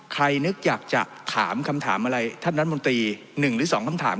นึกอยากจะถามคำถามอะไรท่านรัฐมนตรี๑หรือ๒คำถาม